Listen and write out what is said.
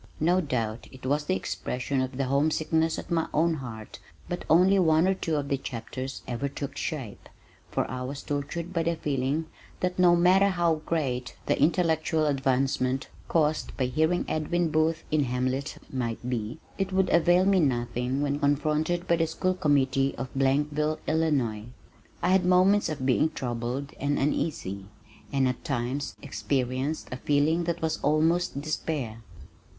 No doubt it was the expression of the homesickness at my own heart but only one or two of the chapters ever took shape, for I was tortured by the feeling that no matter how great the intellectual advancement caused by hearing Edwin Booth in Hamlet might be, it would avail me nothing when confronted by the school committee of Blankville, Illinois. I had moments of being troubled and uneasy and at times experienced a feeling that was almost despair.